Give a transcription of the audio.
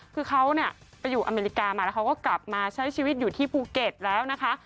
คือเขาเนี่ยไปอยู่อเมริกามาแล้วเขาก็กลับมาใช้ชีวิตอยู่ที่ภูเก็ตแล้วนะคะ